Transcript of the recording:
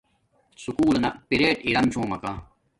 سکُول لنا پیرٹ ارم چھومکا